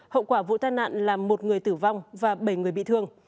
hậu quả vụ tai nạn là một người tử vong và bảy người bị thương